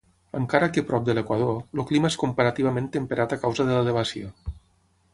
Encara que prop de l'equador, el clima és comparativament temperat a causa de l'elevació.